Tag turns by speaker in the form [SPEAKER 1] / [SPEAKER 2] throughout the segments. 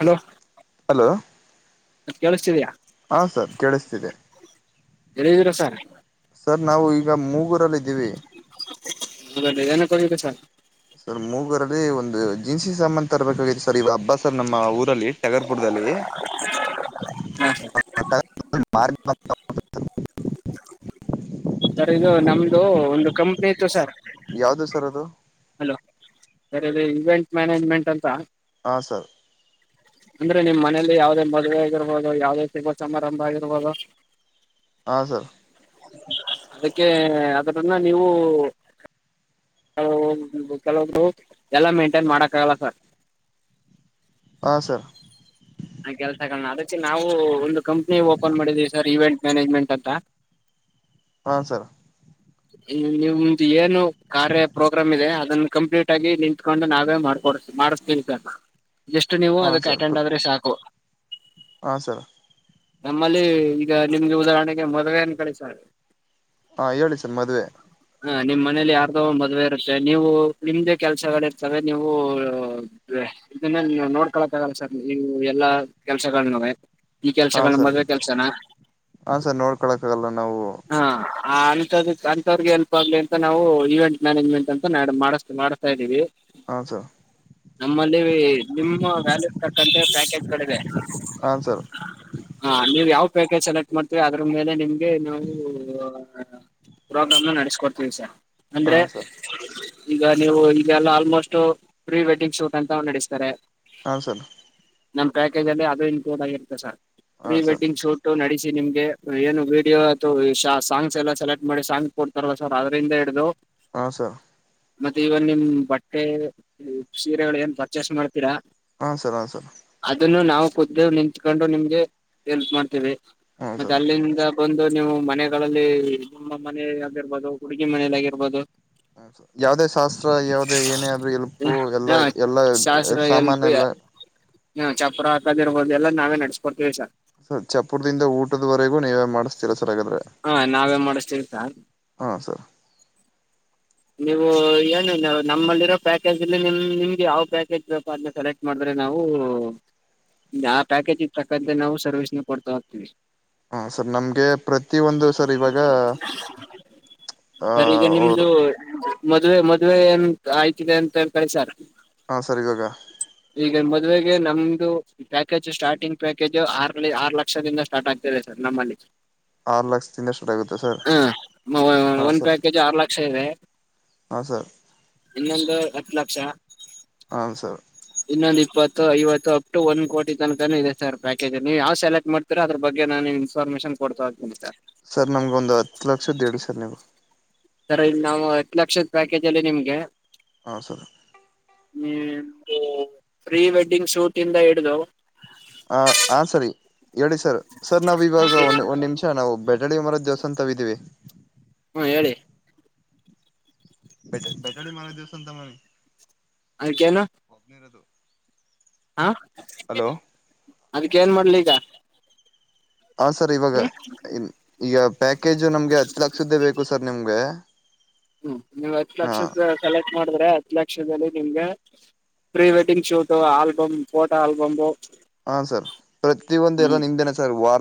[SPEAKER 1] Hello. ಕೇಳಸ್ತಿದೀಯಾ.
[SPEAKER 2] ಹಾ sir ಕೇಳಸ್ತಿದೆ.
[SPEAKER 1] ಎಲ್ಲದಿರ ಸರ್.
[SPEAKER 2] ಸರ್ ನಾವು ಈಗ ಮೂಗೂರಲ್ಲದ್ದೀವಿ.
[SPEAKER 1] [unintelligible] ಹೊಡಿರಿ ಸರ್.
[SPEAKER 2] ಸರ್ ಮೂಗರಲ್ಲಿ ಒಂದ ದಿನಸಿ ಸಾಮಾನ ತರಬೇಕಾಗಿತ್ತು ಸರ್ ಇವಾ ಹಬ್ಬ. ಹಬ್ಬ ಸರ್ ನಮ್ಮ ಊರಲ್ಲಿ ಟಗರ್ ಪುಟ್ಟ. ದಲ್ಲಿ.
[SPEAKER 1] ಹಾ ಸರ್.
[SPEAKER 2] [unintelligible]
[SPEAKER 1] ಸರ್ ಇದು ನಮ್ದೂ ಒಂದು ಕಂಪ್ನಿ ಇತ್ತು ಸರ್.
[SPEAKER 2] ಯಾವ್ದು ಸರ್ ಅದು?
[SPEAKER 1] ಹಲೋ ಸರ್ ಇಲ್ಲಿ ಇವೆಂಟ್ ಮ್ಯಾನೇಜ್ಮೆಂಟ್ ಅಂತ.
[SPEAKER 2] ಹಾ ಸರ್.
[SPEAKER 1] ಅಂದ್ರೆ ನಿಮ್ ಮನೇಲಿ ಯಾವ್ದೇ ಮದುವೆ ಆಗಿರ್ಬೋದು ಯಾವ್ದೇ ಶುಭ ಸಮಾರಂಭ ಆಗಿರ್ಬೋದು
[SPEAKER 2] ಹಾ ಸರ್.
[SPEAKER 1] [unintelligible] ಅದಕೇ ಅದರನ್ನ ನೀವು ಕೆಲವ್ [unintelligible] ಕೆಲವೊಬ್ರು ಎಲ್ಲ ಮೇಂಟೆನ್ ಮಾಡಕ್ಕಾಗಲ್ಲ ಸರ್.
[SPEAKER 2] ಹಾ ಸರ್.
[SPEAKER 1] ಆ ಕೆಲ್ಸಗಳ್ನ ಅದಕ್ಕೆ ನಾವೂ ಒಂದು ಕಂಪ್ನಿ ಓಪನ್ ಮಾಡಿದೀವಿ ಸರ್ ಇವೆಂಟ್ ಮ್ಯಾನೇಜ್ಮೆಂಟ್ ಅಂತ.
[SPEAKER 2] ಹಾಂ ಸರ್
[SPEAKER 1] ನಿಮ್ದ್ ಏನು ಕಾರ್ಯ ಪ್ರೋಗ್ರಾಮ್ ಇದೆ ಅದನ್ ಕಂಪ್ಲೀಟ್ ಆಗಿ ನಿಂತ್ಕಂಡು ನಾವೇ ಮಾಡ್ಕೊಡ್ಸ್ ಮಾಡಸ್ತೀವಿ ಸಾರ್. ಜಷ್ಟ್ ನೀವು ಅದಕ್ ಅಟೆಂಡ್ ಆದ್ರೆ ಸಾಕು.
[SPEAKER 2] ಹಾ ಸರ್.
[SPEAKER 1] ನಮ್ಮಲ್ಲಿ ಈಗ ನಿಮ್ಗೆ ಉದಾಹರಣೆಗೆ ಮದುವೆ ಅನ್ಕೊಳಿ ಸಾರ್
[SPEAKER 2] ಹಾ ಹೇಳಿ ಸರ್ ಮದ್ವೆ.
[SPEAKER 1] ಹಾ ನಿಮ್ ಮನೇಲಿ ಯಾರ್ದೋ ಮದ್ವೆ ಇರುತ್ತೆ, ನೀವು ನಿಮ್ದೇ ಕೆಲ್ಸಗಳ ಇರ್ತವೆ ನೀವೂ [unintelligible] ಇದನ್ನ ನೀವು ನೋಡ್ಕೊಳ್ಳಕ್ಕ ಆಗಲ್ಲ ಸರ್ ನೀವು ಎಲ್ಲಾ ಕೆಲ್ಸಗಳ್ನುವೆ.
[SPEAKER 2] ಹಾ ಸರ್ ಹಾ ಸರ್ ನೋಡ್ಕೊಳಕ್ ಆಗಲ್ಲ ನಾವು.
[SPEAKER 1] ಆ ನು [unintelligible] ಅಂಂತವ್ರಗೆ ಹೆಲ್ಪ್ ಆಗ್ಲಿ ಅಂತ ನಾವು ಈವೆಂಟ್ ಮ್ಯಾನೇಜ್ಮೆಂಟ್ ಅಂತ ಮ್ಯಾಡ್ ಮಾಡ್ ಮಾಡ್ಸ್ತಾ ಇದೀವಿ.
[SPEAKER 2] ಹಾಂ ಸರ್
[SPEAKER 1] ನಮ್ಮಲ್ಲಿ ನಿಮ್ಮ ವ್ಯಾಲ್ಯೂಸ್ ತಕ್ಕಂತೆ ಪ್ಯಾಕೇಜ್ ಗಳಿವೆ
[SPEAKER 2] ಹಾಂ ಸರ್
[SPEAKER 1] ಹ ನೀವ್ ಯಾವ್ ಪ್ಯಾಕೇಜ್ ಸೆಲೆಕ್ಟ್ ಮಾಡ್ತೀವಿ ಅದ್ರು ಮೇಲೆ ನಿಮ್ಗೆ ನಾವು ಆ ಪ್ರೋಗ್ರಾಮ್ ನ ನಡೆಸ್ಕೊಡ್ತೀವಿ ಸರ್. ಅಂದ್ರೆ
[SPEAKER 2] ಹಾಂ ಸರ್
[SPEAKER 1] ಈಗ ನೀವು ಈಗಲ್ಲ ಆಲ್ಮೋಸ್ಟ್ ಪ್ರೀ ವೆಡ್ಡಿಂಗ್ ಶೂಟ್ ಅಂತ ನಡೆಸ್ತಾರೆ.
[SPEAKER 2] ಹಾಂ ಸರ್
[SPEAKER 1] ನಮ್ಮ್ ಪ್ಯಾಕೇಜಲ್ಲಿ ಅದು ಇನ್ಕ್ಲುಡ್ ಆಗಿರುತ್ತೆ ಸರ್. ಪ್ರೀ
[SPEAKER 2] ಹಾಂ ಸರ್
[SPEAKER 1] ವೆಡ್ಡಿಂಗ್ ಶೂಟ್ ನಡಿಸ್ ನಿಮ್ಗೆ ಏನು ವಿಡಿಯೋ ಅಥವ್ ಶ್ ಸಾಂಗ್ಸ್ ಎಲ್ಲ ಸೆಲೆಕ್ ಮಾಡಿ ಸಾಂಗ್ ಕೊಡ್ತಾರಲ ಸರ್ ಅದರಿಂದ ಹಿಡಿದು
[SPEAKER 2] ಹಾ ಸರ್
[SPEAKER 1] ಮತ್ತೆ ಇವನ್ ನಿಮ್ ಬಟ್ಟೆ ಸೀರೆಗಳು ಏನ್ ಪರ್ಚೇಸ್ ಮಾಡ್ ತೀರ
[SPEAKER 2] ಹಾಂ ಸರ್ ಹಾಂ ಸರ್ ಹಾಂ ಸರ್
[SPEAKER 1] ಅದುನ್ನು ನಾವ್ ಕುದ್ದಾಗ್ ನಿಂತ್ಕೊಂಡು ನಿಮ್ಗೆ ಹೆಲ್ಪ್ ಮಾಡ್ತೇವಿ.
[SPEAKER 2] ಹಾಂ
[SPEAKER 1] ಮತ್ತೆ
[SPEAKER 2] ಸರ್
[SPEAKER 1] ಅಲ್ಲಿಂದ ಬಂದು ನೀವು ಮನೆಗಳಲ್ಲಿ ನಮ್ಮ ಮನೆ ಆಗಿರ್ಬೋದು ಹುಡುಗಿ ಮನೆಲ್ ಆಗಿರ್ಬೋದು
[SPEAKER 2] ಯಾವ್ದೇ ಶಾಸ್ತ್ರ ಯಾವ್ದೇ ಏನೇ ಆದ್ರೂ ಎಲ್ಪು
[SPEAKER 1] ಹ
[SPEAKER 2] ಎಲ್ಲಾ ಎಲ್ಲ
[SPEAKER 1] ಶಾಸ್ತ್ರ ಎಲ್ಪ
[SPEAKER 2] ಸಾಮಾನ್ಯ ಎಲ್ಲ
[SPEAKER 1] ಹ ಚಪ್ಪ್ರ ಹಾಕದಿರ್ಬೋದುಲ್ಲ ನಾವೇ ನಡ್ಸ್ಕೊಡ್ತೀವಿ ಸರ್
[SPEAKER 2] ಸ ಚಪುರ್ದಿಂದ ಊಟದ್ವರೆಗೂ ನೀವೇ ಮಾಡಿಸ್ತಿೀರ
[SPEAKER 1] ಹಾ ನಾವೇ ಮಾಡಷ್ಟ ಇರ್ತ
[SPEAKER 2] ಹಾ ಸರ್
[SPEAKER 1] ನೀವು ಏನು ನಮ್ಮಲ್ಲಿರೋ ಪ್ಯಾಕೇಜ್ ಇಲ್ಲಿ ನಿಮ್ಮ ನಿಮ್ಗೆ ಯಾವ್ ಪ್ಯಾಕೇಜ್ ಬಪನ್ನ ಸೆಲೆಕ್ಟ್ ಮಾಡಿದ್ರೆ ನಾವು ಆ ಪ್ಯಾಕೇಜ್ ಇರ್ತಕ್ಕಂತೆೆ ನಾವು ಸರ್ವಿಸ್ನ ಕೊಡ್ತಾ ಹೋಗ್ತೀವಿ
[SPEAKER 2] ಹಾ ಸರ್ ನಮ್ಗೆ ಪ್ರತಿ ಒಂದು ಸರ್ ಇವಾಗ ಆ
[SPEAKER 1] ಸರ್ ಈಗ ನಿಮ್ದು
[SPEAKER 2] ಅವರು
[SPEAKER 1] ಮದ್ವೆ ಮದ್ವೆ ಏನ್ ಆಯ್ತಿದೆ ಅಂತ ಕಳಸಾರ್
[SPEAKER 2] ಹಾ ಸರಿಗಾಗ
[SPEAKER 1] ಮದುವೆಗೆ ನಮ್ದು ಪ್ಯಾಕೇಜ್ ಸ್ಟಾರ್ಟಿಂಗ್ ಪ್ಯಾಕೇಜ್ ಆರಲ್ಲಿ ಆರು ಲಕ್ಷದಿಂದ ಸ್ಟಾರ್ಟ್ ಆಗ್ತದೆ ಸರ್ ನಮ್ಮಲ್ಲಿ
[SPEAKER 2] ಆರು ಲಕ್ಷದಿಂದ ಸಟ್ ಆಗುತ್ತೆ ಸರ್ ಹಾಂ
[SPEAKER 1] ಒಂದ್
[SPEAKER 2] ಸರ್
[SPEAKER 1] ಪ್ಯಾಕೇಜ್ ಆರು ಲಕ್ಷ ಇದೆ
[SPEAKER 2] ಹಾ ಸರ್
[SPEAKER 1] ಇನ್ನೊಂದು ಹತ್ತು ಲಕ್ಷ
[SPEAKER 2] ಹನ್ ಸರ್
[SPEAKER 1] ಇನ್ನೊಂದು ಇಪ್ಪತ್ತು ಐವತ್ತು ಅಪ್ ಟು ಒನ್ ಕೋಟಿ ತನಕನೂ ಇದೆ ಸರ್ ಪ್ಯಾಕೇಜ್ ನೀವುಾವ ಸೆಲೆಕ್ಟ್ ಮಾಡ್ತರ ಅದ್ರ ಬಗ್ ನಾನ ಇನ್ಫಾರ್ಮೇಶನ್ ಕೊಡ್ತಾ ಹೋಗತೀನಿ ಸರ್
[SPEAKER 2] ಸರ್ ನಮ್ಗ ಒಂದು ಹತ್ತು ಲಕ್ಷದೇಡು ಸರ್ ನೀವು
[SPEAKER 1] ಸರ ಇಲ್ಲಿ ನಾವು ಹತ್ತು ಲಕ್ಷದ ಪ್ಯಾಕೇಜ್ ಅಲ್ಲಿ ನಿಮ್ಗೆ
[SPEAKER 2] ಹೌ ಸರಿ
[SPEAKER 1] ಪ್ರೀ ವೆಡ್ಡಿಂಗ್ ಶೂಟ್ ಇಂದ ಹಿಡಿದು
[SPEAKER 2] ಹ ಹ ಸರಿ ಹೇಳಿ ಸರ್ ಸರ್ ನಾವ್ ಇವಾಗ ಒ ಒಂದು ನಿಮಿಷ ನಾವು ಬೆ ನೆರಳಿ ಮರ ದೇವಸ್ಥಾನ ತಾವ ಇದೀವಿ
[SPEAKER 1] ಹ್ಮ ಹೇಳಿ
[SPEAKER 2] ಬೆ ಬೆಟಲಿ ಮರದ ದಿವಸ ಮಾರಾಯ್
[SPEAKER 1] ಅದಕ್ಕೇನು ಹಾ
[SPEAKER 2] ಹಲೋ
[SPEAKER 1] ಅದಕ್ಕೆ ಏನ್ ಮಾಡ್ಲಿ ಈಗ
[SPEAKER 2] ಹಾಂ ಸರ್ ಇವಾಗ
[SPEAKER 1] ಹ್ಮ್
[SPEAKER 2] ಈಗ ಪ್ಯಾಕೇಜ್ ನಮಗೆ ಹತ್ತು ಲಕ್ಷದ್ದು ಬೇಕು ಸರ್ ನಿಮಗೆ
[SPEAKER 1] ಹ್ಮ್ ನೀವು ಹತ್ತು ಲಕ್ಷದು ಕಲೆಕ್ಟ್ ಮಾಡಿದ್ರೆ ಹತ್ತು ಲಕ್ಷದಲ್ಲಿ ನಿಮ್ಗೆ pre wedding shoot album photo album
[SPEAKER 2] ಹಾ ಸರ್ ಪ್ರತಿಯೊಂದು ಎಲ್ಲ ನಿಮ್ದೇನಾ ಸರ್ ವಾರ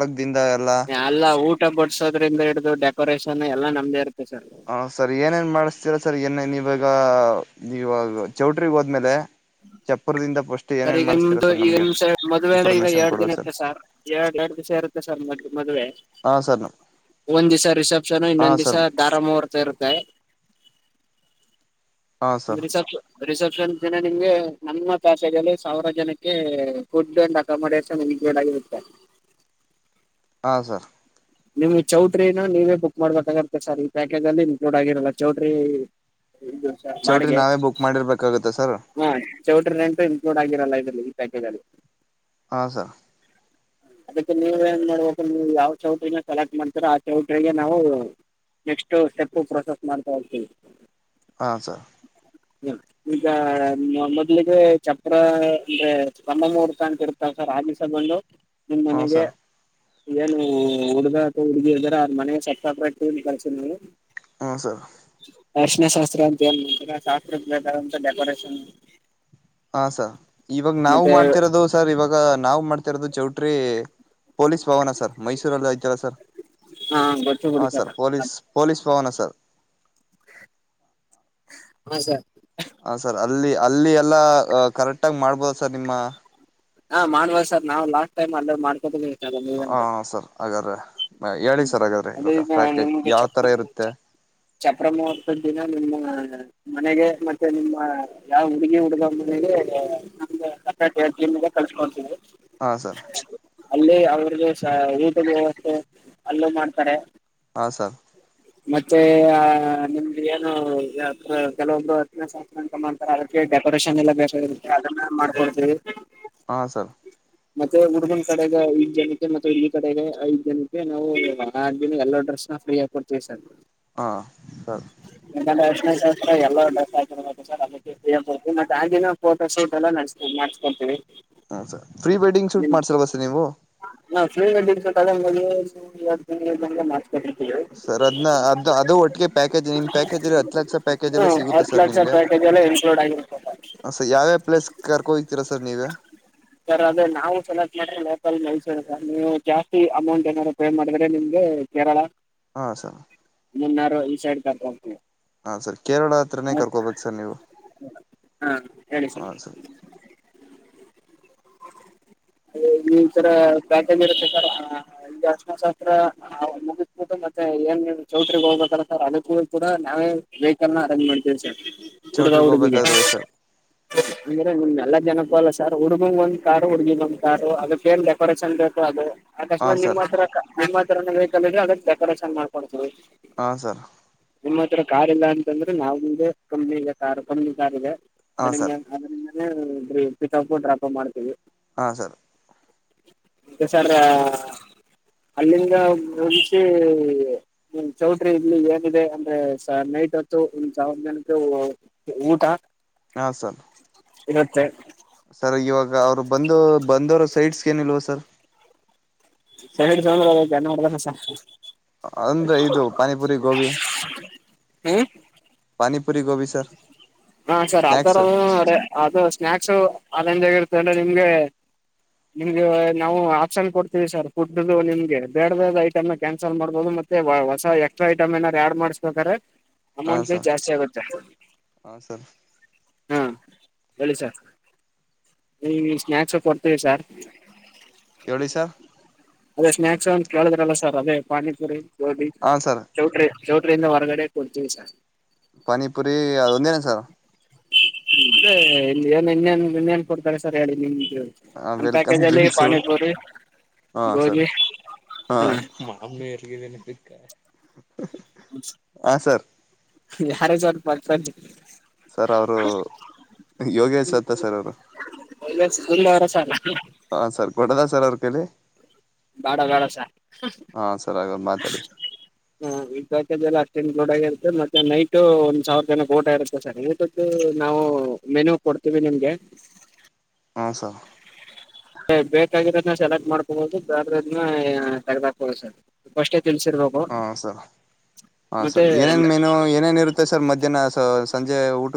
[SPEAKER 1] ಅಲ್ಲಾ ಊಟ ಬಡಸೋದ್ರಿಂದ ಹಿಡಿದು ಡೆಕ್ ಡೆಕೋರೇಷನ್ ಎಲ್ಲಾ ನಮ್ದೇ ಇರುತ್ತೆ ಸರ್
[SPEAKER 2] ಹ ಸರ್ ಏನೇನ್ ಮಾಡಿಸ್ತೀರಾ ಸರ್ ಏನ್ ನೀವ ಇವಾಗ ಇವಾಗ ಚೌಟ್ರಿ ಹೋದ್ಮೇಲೆ ಚಪ್ಪುರದಿಂದ ಫಸ್
[SPEAKER 1] ಸರ್ ಈಗ ನಿಮ್ದು ಈಗ ನಿಮ್ ಸೈಡ್ ಮದುವೆ ಅಂದ್ರೆ ಈಗ
[SPEAKER 2] ಇನ್ಫಾರ್ಮೇಶನ್
[SPEAKER 1] ಎರಡ್ ದಿನ
[SPEAKER 2] ಕೊಡ್ಬೇಕು ಸರ್
[SPEAKER 1] ಇರತ್ತೆ ಸಾರ್ ಎರ ಎರಡು ದಿವಸ ಇರುತ್ತೆ ಸರ್. ಮತ್ ಮದುವೆ
[SPEAKER 2] ಹಾಂ ಸರ್
[SPEAKER 1] ಒಂದು ದಿವ್ಸ ರಿಸೆಪ್ಶನ್
[SPEAKER 2] ಹಾಂ
[SPEAKER 1] ಇನ್ನೊಂದು ದಿವ್ಸ
[SPEAKER 2] ಸರ್
[SPEAKER 1] ದಾರ ಮೂಹುರ್ತ ಇರುತ್ತೆ.
[SPEAKER 2] ಹಾಂ
[SPEAKER 1] ಒಂದ್
[SPEAKER 2] ಸರ್
[SPEAKER 1] ರಿಸೆಪ್ಶ ರಿಸೆಪ್ಷನ್ ದಿನ ನಿಮ್ಗೆ ನಮ್ಮ ಪ್ಯಾಕೇಜಲ್ಲಿ ಸಾವಿರ ಜನಕ್ಕೆ ಫುಡ್ ಅಂಡ್ ಅಕಾಮಡೇಶನ್ ಇನ್ಕ್ಲೂಡ್ ಆಗಿರತ್ತೆ.
[SPEAKER 2] ಹಾ ಸರ್
[SPEAKER 1] ನಿಮ್ಗೆ ಚೌಟ್ರಿನು ನೀವೇ ಬುಕ್ ಮಾಡ್ಬೇಕಾಗಿತ್ತೆ ಸರ್ ಈ ಪ್ಯಾಕೇಜ್ ಅಲ್ಲಿ ಇನ್ಕ್ಲೂಡ್ ಆಗಿರಲ್ಲ ಚೌಟ್ರಿ ದಿವಷ
[SPEAKER 2] ಚೌಟ್ರಿ
[SPEAKER 1] ಬಾಡಿಗೆ
[SPEAKER 2] ನಾವೇ ಬುಕ್ ಮಾಡಿರ್ಬೇಕಾಗುತ್ತೆ ಸರ್
[SPEAKER 1] ಹಾ ಚೌಟ್ರಿ ರೆಂಟು ಇನ್ಕ್ಲೂಡ್ ಆಗಿರಲ್ಲ ಇದ್ರಲ್ಲಿ. ಪ್ಯಾಕೇಜಲ್ಲಿ
[SPEAKER 2] ಹಾ ಸರ್
[SPEAKER 1] ಅದಕ್ಕೆ ನೀವ್ ಏನ್ ಮಾಡ್ಬೇಕು ನೀವ್ ಯಾವ್ ಚೌಟ್ರೀನ ಸೆಲೆಕ್ಟ್ ಮಾಡ್ತೀರ ಆ ಚೌಟ್ರಿಗೆ ನಾವು ನೆಕ್ಸ್ಟ್ ಸ್ಟೆಪ್ ಪ್ರೊಸೆಸ್ ಮಾಡ್ತಾ ಹೋಗ್ತೀವಿ.
[SPEAKER 2] ಹಾ ಸರ್
[SPEAKER 1] ಹೇಳು ಈಗ ಮೊದ್ಲಿಗೆ ಚಪ್ರ ಅಂದ್ರೆ ಕಂಬ ಮುಹೂರ್ತ ಅಂತ ಇರುತ್ತಲ್ಲ ಸರ್ ಆ ದಿವ್ಸ ಬಂದು
[SPEAKER 2] ಹಾಂ
[SPEAKER 1] ನಿಮ್ಮನೆಗೆ
[SPEAKER 2] ಸರ್
[SPEAKER 1] ಏನು ಹುಡುಗ್ ಹುಡ್ಗ ಅಥ್ವಾ ಹುಡ್ಗಿ ಇದಾರೆ ಅವ್ರ್ ಮನೆ ಚಪ್ರ ಕಟ್ಲಿ ಕಳ್ಸಿವ್ನಿ
[SPEAKER 2] ಹೂಂ ಸರ್.
[SPEAKER 1] ಅರ್ಷ್ಣ ಶಾಸ್ತ್ರ ಅಂತ ಏನ್ ಹೇಳ್ತೀರ ಆ ಶಾಸ್ತ್ರುಕ್ ಬೇಕಾದಂತ ಡೆಕೋರೇಷನ್
[SPEAKER 2] ಹ ಸ ಇವಾಗ್ ನಾವು
[SPEAKER 1] ಮತ್ತೆ
[SPEAKER 2] ಮಾಡ್ತಿರೋದು ಸರ್ ಇವಾಗ ನಾವು ಮಾಡ್ತಿರೋದು ಚೌಟ್ರಿ ಪೊಲೀಸ್ ಭವನ ಸರ್ ಮೈಸೂರಲ್ಲಿ ಐತಲ್ಲ ಸರ್
[SPEAKER 1] ಹಾ ಗೊತ್ತು ಬಿಡಿ
[SPEAKER 2] ಹಾಂ ಸರ್ ಪೊಲೀಸ್
[SPEAKER 1] ಹಾ
[SPEAKER 2] ಪೊಲೀಸ್ ತೋಣ ಸರ್
[SPEAKER 1] ಹಾಂ ಸರ್.
[SPEAKER 2] ಹಾಂ ಸರ್ ಅಲ್ಲಿ ಅಲ್ಲಿ ಎಲ್ಲಾ ಕರೆಕ್ಟಾಗ್ ಮಾಡ್ಬೋದು ಸರ್ ನಿಮ್ಮ
[SPEAKER 1] ಹಾ ಮಾಡ್ಬಾರ ಸರ್ ನಾವು ಲಾಕ್ ಟೈಮ್ ಅಲ್ಲ ಮಾಡ್ಕೋತಿವಿ.
[SPEAKER 2] ಹಾಂ ಸರ್ ಆಗಾರೆ ಆ ಹೇಳಿ
[SPEAKER 1] ಹ್ಮ್
[SPEAKER 2] ಸರ್ ಹಾಗಾದ್ರೆ
[SPEAKER 1] ಅದೇ
[SPEAKER 2] ಇವಾಗ
[SPEAKER 1] ಈಗ
[SPEAKER 2] ಪ್ಯಾಕೇಜ್
[SPEAKER 1] ನಿಮ್ಗೆ
[SPEAKER 2] ಯಾವ್
[SPEAKER 1] ಚಪ್ರ
[SPEAKER 2] ತರ ಇರುತ್ತೆ?
[SPEAKER 1] ಚಪ್ರ ಮುಹೂರ್ತದ್ ದಿನ ನಿಮ್ಮ ಮನೆಗೆ ಮತ್ತೆ ನಿಮ್ಮ ಯಾವ ಹುಡುಗಿ ಹುಡುಗ ಮನೆಗೆ [unintelligible] ಕಳ್ಸ್ ಕೊಡ್ತೀವಿ.
[SPEAKER 2] ಹಾಂ ಸರ್
[SPEAKER 1] ಅಲ್ಲಿ ಅವ್ರ್ ಗೆ ಊಟದ ವ್ಯವಸ್ಥೆ ಅಲ್ಲೂ ಮಾಡ್ತಾರೆ
[SPEAKER 2] ಹ ಸರ್
[SPEAKER 1] ಮತ್ತೆ ಆ ನಿಮ್ದ ಏನು ಕೆಲವೊಂದು ಹತ್ತನೇ [unintelligible] ಅಂತ ಮಾಡ್ತಾರೆ ಅದಕ್ಕೆ ಡೆಕೋರೇಷನ್ ಎಲ್ಲ ಬೇಕಾಗಿರುತ್ತೆ ಅದನ್ನ ಮಾಡ್ಕೊಡ್ತಿವಿ.
[SPEAKER 2] ಹಾ ಸರ್
[SPEAKER 1] ಮತ್ತೆ ಹುಡ್ಗನ್ ಕಡೆಗೆ ಐದ್ ಜನಕ್ಕೆ ಮತ್ತೆ ಹುಡ್ಗಿ ಕಡೆಗೆ ಐದ್ ಜನಕ್ಕೆ ನಾವುನಿ ಆದ್ ಎಲ್ಲಾ ಡ್ರೆಸ್ನ ಫ್ರೀ ಆಗ್ ಕೊಡ್ ತೀವ್ ಸರ್
[SPEAKER 2] ಹಾಂ ಸರ್
[SPEAKER 1] [unintelligible] ಆರ್ಶಿಣ ಶಾಸ್ ಎಲ್ಲಡ ಸರ್ ಅದಕ್ಕೆಡ್ವಿ ಮತ್ತೆಗಿನ ಫೋಟೋ ಶೂಟ್ ಎಲ್ಲ ನಸ್ ಮಾಡಸ್ಕೊಂತೀವಿ
[SPEAKER 2] ಹ ಸರ್ ಪ್ರೀ ವೆಡ್ಡಿಂಗ್ ಶೂಟ್ ಮಾಡ್ಸಲ್ ಬಸರ್ ನೀವು
[SPEAKER 1] ನಾ್ ಶ್ರೀಗಡ್ಡಿ ಅದ ಮಾಡ್ವಿ
[SPEAKER 2] ಸರ್ ಅದ್ನ ಅದ ಅದು ಒಟ್ಟಿಗೆ ಪ್ಯಾಕೇಜ್ ನಿಮ್ಮ್ ಪ್ಯಾಕೇಜಲ್ಲಿ ಹತ್ತು ಲಕ್ಷ ಪ್ಯಾಕೇಜಲ್ಲೇ
[SPEAKER 1] ಹ್ಮ್
[SPEAKER 2] ಸಿಗುತ್ತೆ
[SPEAKER 1] ಹತ್ತು
[SPEAKER 2] ಸರ್
[SPEAKER 1] ಲಕ್ಷ
[SPEAKER 2] ನಿಮ್ಗೆ
[SPEAKER 1] ಪ್ಯಾಕೇಜ್ ಎಲ್ಲ ಇನ್ಕ್ಲೂಡ್ ಆಗಿರುತ್ತೆ
[SPEAKER 2] ಸರ್ ಯಾವ್ಯಾವ ಪ್ಲೇಸ್ ಕರ್ಕೋೋಗತೀರಾ ಸರ್ ನೀವೆ
[SPEAKER 1] ಸರ್ ಅದೇ ನಾವು ಸೆಲೆಕ್ಟ್ ಮಾಡಿದ್ರೆ ಮೈಸೂರು ನೀವು ಜಾಸ್ತಿ ಅಮೌಂಟ್ ಏನಾದಾರರು ಪೇ ಮಾಡಿದ್ರೆ ನಿಮ್ಗೆ ಕೇಳ.
[SPEAKER 2] ಹಾ ಸರ್.
[SPEAKER 1] ಮುನ್ನಾರು ಈ ಸೈಡ್ ಕಟ್ಕೊಂಡಿ.
[SPEAKER 2] ಹಾ ಸರ್ ಕೇರಳ ಹತ್ರನೇ ಕರ್ಕೋಬೇಕು ಸರ್ ನೀವು
[SPEAKER 1] ಹಾ ಹೇಳಿ
[SPEAKER 2] ಹಾ ಸರ್.
[SPEAKER 1] ಹೌ್ಮ. ಈರ ಪ್ಯಾಕೇಜ್ ಇರುತ್ತೆ ಸರ್ ಈ ಅಾಸ್ತ್ರ ಮುಗಿಸಬಿಟ್ಟು ಮತ್ತೆ ಏನ್ ಚೌಟ್ರಿಗೆ ಹೋಗ್ಬೇಕಾರ ಸರ್ ಅದಕ್ಕ ಕೂಡ ನಾವೇ ವೆಹಿಕಲ್ ನ ಅರೇಂಜ್ ಮಾಡ್ತೀವಿ ಸರ್. ಹುಡುಗ
[SPEAKER 2] ಚೌಟ್ರಿಗೆ
[SPEAKER 1] ಹುಡುಗಿಗೆ
[SPEAKER 2] ಹೋಗ್ಬೇಕಾದ್ರೂ ಸರ್
[SPEAKER 1] ಅಂದ್ರೆ ನಿಮ ಎಲ್ಲ ಜನ. ಹ ಅಲ್ಲ ಸರ್ ಹುಡುಗಂಗ ಒಂದ್ ಕಾರು ಹುಡುಗಿ ಒಂದ್ ಕಾರುಗ. ಏನ್ ಡೆಕೋರೇಷನ್ ಬೇಕು ಅದು.
[SPEAKER 2] ಹಾಂ
[SPEAKER 1] ಅಕಸ್ಮಾತ್
[SPEAKER 2] ಸರ್
[SPEAKER 1] ನಿಮ್ಮ್ ಹತ್ರ ನಿಮ್ಮತ್ರ. ಅದಕ್ೇಕಡ ಚ ಮಾಡಕೊಡ್ತೀವಿ.
[SPEAKER 2] ಹಾ ಸರ್.
[SPEAKER 1] ನಿಮ್ಮ ಹತ್ರ ಕಾರ್ ಇಲ್ಲ ಅಂತಂದ್ರೆ ನಾ ಕಂಪನಿ ಇದೆ ಕಾರ್ ಕಮ್ಮಿ ಕಾರ್ ಇದೆ.
[SPEAKER 2] ಹಾಂ ಸರ್
[SPEAKER 1] ಅದ್ರಿಂದ. ೀ ಪಿಿಕಪ್ ಡಾಪ್ ಮಾಡ್ತೀವಿ.
[SPEAKER 2] ಹಾ ಸರ್.
[SPEAKER 1] ಮ ಸರ್ ಅಲ್ಲಿಂದ ಮುಂಚಿ ಚೌಟ್ರಿ ಇಲ್ಲಿ ಏನಿದೆ ಅಂದ್ರೆ ಸ ನೈಟ್ ಹೊತ್ತು ಒಂದ್ ಸಾವರ ಜನಕ್ಕೆ ಊಟ.
[SPEAKER 2] ಹಾ ಸರ್.
[SPEAKER 1] ಇವತ್ತ.
[SPEAKER 2] ಸರ್ ಇವಾಗ ಅವರು ಬಂದು ಬಂದೋರ ಸೈಡ್ಸ್ಗೆ ಏನಿಲ್ವ ಸರ್.
[SPEAKER 1] ಸ ಹಿಡ್ ಸಂದ್ರಏ ಮಾಡ್ತಸ.
[SPEAKER 2] ಒಂದು ಇದು ಪಾನಿಪುರಿ ಗೋಬಿ.
[SPEAKER 1] ಹ್ಮ್.
[SPEAKER 2] ಉಪರಿ ಗೋವಿಿಸರ್.
[SPEAKER 1] ಹಾ ಸರ್ ಆ ತರ ನೋ ಅದು ಸ್ನಾಯಕ್ಸ್. ಅದಂಜಗರ್ತ ಅ್ರೆ ನಿಮ್ಗೆ ನಿಮ್ಗೆ ನಾವು ಆಪ್ಷನ್ ಕೊಡ್ತೀವಿ ಸರ್ ಫುಡ್ದು ನಿಮಗೆ ಬೇಡ್ ಬೇರೆ ಐಟಮ್ ಕ್ಯಾನ್ಸಲ್ ಮಾಡ್ಬೋದು ಮತ್ತೆ ಹೊಸ ಎಕ್ಸ್ಟ್ರಾ ಐಟಮ್ ಏನಾದಾರು ಆಡ್ ಮಾಡ್ಸ್ಬೇಕಾರೆ. ಅಮೌಂಟ್ ಜಾಸ್ತಿ ಆಗುತ್ತೆ.
[SPEAKER 2] ಹಾ ಸರ್.
[SPEAKER 1] ಹಾ ಹೇಳಿ ಸರ್ ಈ ಸ್ನಾಯಕ್ಸ್ ಕೊಡ್ತೀವಿ ಸಾರ್.
[SPEAKER 2] ಎವಳಿಸ ಸರ್.
[SPEAKER 1] ಅದೇ ಸ್ನಾಯಕ್ಸ್ ಅಂತ ಕೇಳಿದ್ರಲ್ಲ ಸರ್ ಅದೇ ಪಾನಿಪುರಿ. ಹಿ
[SPEAKER 2] ಹಾಂ ಸರ್
[SPEAKER 1] ಚೌಟ್ರಿ. ಚೌಟ್ರಿಂದ ಹೊರಗಡೆ ಕೊಡ್ತೀವಿ ಸರ್.
[SPEAKER 2] ಪಾನಿಪುರಿ ಅದ್ ಒಂದೇನ ಸರ್.
[SPEAKER 1] [unintelligible] ಇಲ್ಲಿ ಏನ್ ಇನ್ನೇನ್ ಇನ್ನೇನ್ ಕೊಡ್ತಾರೆ ಸರ್ ಹೇಳಿ ನಿಮ್ ನಮ್ ಪ್ಯಾಕೇಜಲ್ಲಿ ಪಾನೀಪೂರಿ
[SPEAKER 2] ಹಾ ಸರ್ ಹಾ ಮಾಮ್ ಎರ್ಗಿದೀನೆ [inaudible]
[SPEAKER 1] ಯಾರು ಸರ್ ಪರ್ಫೆಕ್ಟ್
[SPEAKER 2] ಸರ್ ಅವರು ಯೋಗೇಶ್ ಅಂತ ಸರ್ ಅವ್ರು
[SPEAKER 1] ಸ್ಕೂಲ್ ಅವರ ಸರ್
[SPEAKER 2] ಹ ಸರ್ ಕೊಡದ ಸರ್ ಅವ್ರ್ ಕೈಲಿ.
[SPEAKER 1] ಬ್ಯಾಡ ಬ್ಯಾಡ ಸರ್ ಹ್
[SPEAKER 2] ಹಾಂ ಸರ್ ಹಾಗಾದ್ರೆ ಮಾತಾಡಿ
[SPEAKER 1] ಮ್ ಹಾ ಈ ಪ್ಯಾಕೇಜ್ ಎಲ್ಲ ಅಷ್ಟು ಇನ್ಕ್ಲೂಡ್ ಆಗಿರುತ್ತೆ ಮತ್ತೆ ನೈಟ ಒಂದ್ ಸಾವಿರ ಜನಕ್ಕೆ ಊಟ ಇರುತ್ತೆ ಸರ್ ಊಟದು ನಾವು ಮೆನ್ಯೂ ಕೊಡ್ತೀವಿ ನಿಮ್ಗೆ.
[SPEAKER 2] ಹಾ ಸ
[SPEAKER 1] ಬೇಕಾಗಿರೋದನ್ನ ಸೆಲೆಕ್ಟ್ ಮಾಡ್ಕೋಬೋದು ಬ್ಯಾಡದೇ ಇರೋದ್ನ ತಗೆದಾಕ್ಬೋದು ಸರ್ ಫರ್ಸ್ಟೇ
[SPEAKER 2] ಹಾ ಸರ್ ಹಾ ಸರ್
[SPEAKER 1] ಮತ್ತೆ
[SPEAKER 2] ಏನೇನ್ ಮೇನು ಏನೇನ್ ಇರುತ್ತೆ ಸರ್ ಮಧ್ಯಾಹ್ನ ಸೊ ಸ್ ಸಂಜೆ ಊ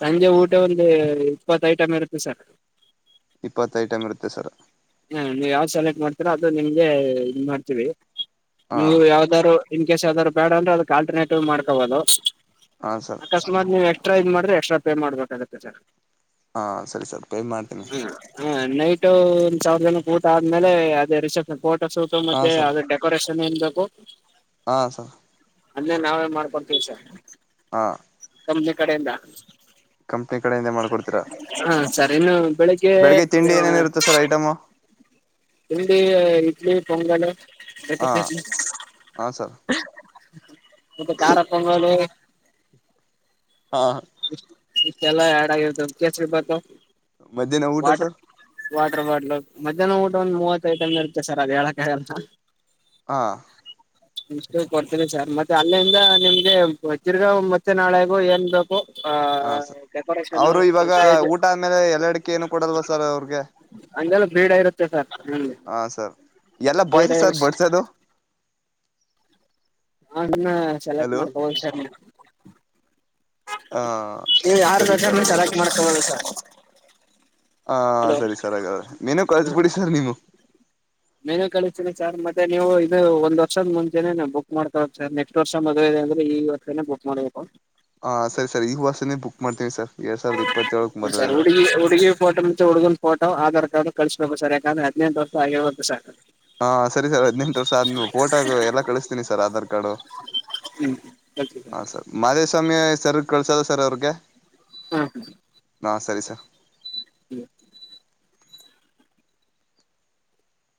[SPEAKER 1] ಸಂಜೆ ಊಟ ಒಂದೇ ಇಪ್ಪತ್ ಐಟಮ್ ಇರುತ್ತೆ ಸರ್.
[SPEAKER 2] ಇಪ್ಪತ್ ಐಟಮ್ ಇರುತ್ತೆ ಸರ್
[SPEAKER 1] ಹಾ ನೀವ ಯಾವ್ ಸೆಲೆಕ್ಟ್ ಮಾಡ್ತೀರಾ ಅದು ನಿಮ್ಗೆ ಇದ್ ಮಾಡ್ತೀವಿ. ನೀವು
[SPEAKER 2] ಹಾಂ
[SPEAKER 1] ಯಾವ್ದಾರೂ ಇನ್ಕೇಸ್ ಯಾವ್ದಾರ ಬ್ಯಾಡ ಅಂದ್ರು ಅದುಕ್ ಆಲ್ಟರ್ನೇಟಿವ್ ಮಾಡ್ಕೋಬೋದು.
[SPEAKER 2] ಹಾಂ ಸರ್
[SPEAKER 1] ಅಕಸ್ಮಾತ್ ನೀವೆ ಕ್ಟ್ರಾ ಇದ್ ಮಾಡಿದ್ರೆ ಎಕ್ಸ್ಟ್ರಾ ಪೇ ಮಾಡ್ಬೇಕಾಗುತ್ತೆ ಸರ್.
[SPEAKER 2] ಹಾಂ ಸರಿ ಸರ್ ಪೇ ಮಾಡ್ತೀನಿ
[SPEAKER 1] ಹ ಹಾ ನೈಟು ಒನ್ ಸಾವಿರ ಜನಕ್ ಊಟ ಆದ್ಮೇಲೆ ಅದೇ ರಿಸೆಪ್ಷನ್ ಫೋ ಫೋಟೋ ಶೂಟು ಮತ್ತೆ ಅದು ಡೆಕೋರೇಶ್ ಟಂ ಏನ್ ಬೇಕು?
[SPEAKER 2] ಹಾ ಸರ್.
[SPEAKER 1] ಅಲ್ಲೇ ನಾವೇ ಮಾಡ್ಕೊಂತೀವಿ ಸರ್.
[SPEAKER 2] ಹಾ.
[SPEAKER 1] ಕಂಪನಿ ಕಡೆಯಿಂದ.
[SPEAKER 2] ಕಂಪನಿ ಕಡೆಯಿಂದಾನೆ ಮಾಡ್ಕೊಡ್ತೀರಾ
[SPEAKER 1] ಹ ಸರ್ ಇನ್ನು
[SPEAKER 2] ಬೆಳಿಗ್ಗೆ ತಿಂಡಿ ಏನೇನ ಇರುತ್ತೆ ಸರ್ ಐಟಮು.
[SPEAKER 1] ತಿಂಡಿ ಇಡ್ಲಿ ಪೊಂಗಲು.
[SPEAKER 2] ಹಾ
[SPEAKER 1] ಮತ್ತೆ
[SPEAKER 2] ಹಾ ಸರ್.
[SPEAKER 1] ಮತ್ತೆ ಕಾರ ಪೊಂಗಲು.
[SPEAKER 2] ಹಾ.
[SPEAKER 1] ಇದ್ ಕೆಲ್ಲ ಆಡ್ ಆಗಿರುತ್ತೆ ಅದ್ ಕೇಸರಿ ಬಾತು
[SPEAKER 2] ಮಧ್ಯಾಹ್ನ ಊಟ
[SPEAKER 1] ವಾಟರ್
[SPEAKER 2] ಸರ್?
[SPEAKER 1] ವಾಟರ್ ಬಾಟ್ಲ್ ಮಧ್ಯಾನ ಊಟ ಒಂದ್ ಮೂವತ್ತು ಐಟಮ್ ಇರುತ್ತೆ ಸರ್ ಅದ್ ಹೇಳಕಾಗಲ್ಲ.
[SPEAKER 2] ಹಾ
[SPEAKER 1] ಇಷ್ಟು ಕೊಡ್ತೀನಿ ಸರ್ ಮತ್ತೆ ಅಲ್ಲಿಂದ ನಿಮ್ಗೆ ವಜ್ರಿಗ ಮತ್ತೆ ನಾಳೆಗು ಎನ್ ಬೇ ಕು ಆ
[SPEAKER 2] ಹಾಂ ಸರ್
[SPEAKER 1] ಡೆಕೋರೇಷನ್
[SPEAKER 2] ಅವರು ಇವಾಗ
[SPEAKER 1] ಸ್ಟೇಜ್
[SPEAKER 2] ಊಟ ಆದಮೇಲೆ ಎಲ್ಲ ಅಡಿಕೆ ಏನು ಕೊಡಲ್ವಾ ಸರ್ ಅವ್ರಿಗೆ
[SPEAKER 1] ಹಂಗೆಲ್ಲ ಬೀಡ ಇರುತ್ತೆ ಸರ್ ಹ್ಮ್.
[SPEAKER 2] ಹಾಂ ಸರ್ ಎಲ್ಲ
[SPEAKER 1] ಬೀಡ
[SPEAKER 2] ಬಾಯ್ಸೆ ಸರ್ ಬಡ್ಸದು?
[SPEAKER 1] ಅದ್ನ ಸೆಲೆಕ್ಟ್
[SPEAKER 2] ಹಲೋ
[SPEAKER 1] ಮಾಡ್ಕೊಬೋದ್ ಸರ್ ನೀವ್.
[SPEAKER 2] ಹಾಂ
[SPEAKER 1] ನೀವ್ ಯಾರ್ನ್
[SPEAKER 2] ಸರಿ ಸರ್
[SPEAKER 1] ಬೇಕಾರ್ನು ಸೆಲೆಕ್ಟ್ ಮಾಡ್ಕೊಬೋದು ಸರ್.
[SPEAKER 2] ಹ
[SPEAKER 1] ಹಲೋ
[SPEAKER 2] ಸರಿ ಸರ್ ಹಾಗದ್ರೆ ಮೆನು ಕಳ್ಸ್
[SPEAKER 1] ಹ
[SPEAKER 2] ಬಿಡಿ ಸರ್ ನೀವು.
[SPEAKER 1] ಮೆನು ಕಳಿಸ್ತೀನಿ ಸರ್ ಮತ್ತೆ ನೀವು ಇದು ಒಂದ್ ವರ್ಷದ ಮುಂಚೆನೆನೆ ಬುಕ್ ಮಾಡ್ತಳದ್ ಸರ್ ನೆಕ್ಸ್ಟ್ ವರ್ಷ ಮದ್ವೆ ಇದೆ ಅಂದ್ರೆ ಈ ವರ್ಷನೇ ಬುಕ್ ಮಾಡ್ಬೇಕು.
[SPEAKER 2] ಹಾ ಸರಿ ಸರ್ ಈ ವರ್ಷನೇ ಬುಕ್ ಮಾಡ್ತೀವಿ ಸರ್. ಎರಡ್ ಸಾವಿರದ ಇಪ್ಪತ್ತೇಳಕ್
[SPEAKER 1] ಹು
[SPEAKER 2] ಮದುವೆ
[SPEAKER 1] ಸರ್
[SPEAKER 2] ಅಂದ್ರೆ
[SPEAKER 1] ಹುಡುಗಿ ಹುಡುಗಿ ಫೋಟೋ ಮತ್ತೆ ಹುಡುಗನ್ ಫೋಟೋ ಆಧಾರ್ ಕಾರ್ಡ್ ಕಳಿಸ್ಬೇಕು ಸರ್ ಯಾಕಂದ್ರೆ ಹದ್ನೆಂಟ್ ವರ್ಷ ಆಗಿರ್ಬೇಕು ಸರ್.
[SPEAKER 2] ಹಾ ಸರಿ ಸರ್ ಹದ್ನೆಂಟು ವರ್ಷ ಆದ್ ವು ಫೋಟೋ ಎಲ್ಲ ಕಳಿಸ್ತೀನಿ ಸರ್ ಆಧಾರ್ ಕಾರ್ಡು
[SPEAKER 1] ಹ್ಮ್ ಕಳ್ಸಿ
[SPEAKER 2] ಹ ಸರ್ ಮಾದೇಶ್ ಸ್ವಾಮಿ ಸರ್ಗ್ ಕಳ್ಸೋದ ಸರ್ ಅವ್ರ್ಗೆ?
[SPEAKER 1] ಹ ಹ್ಮ್
[SPEAKER 2] ಆ ಸರಿ ಸರ್.
[SPEAKER 1] ಹ್ಮ